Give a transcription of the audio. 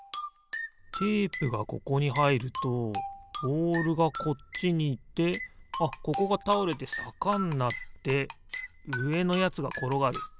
テープがここにはいるとボールがこっちにいってあっここがたおれてさかになってうえのやつがころがる。